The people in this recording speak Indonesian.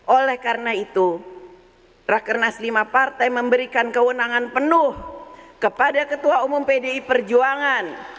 oleh karena itu rakernas lima partai memberikan kewenangan penuh kepada ketua umum pdi perjuangan